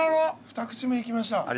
２口目いきました。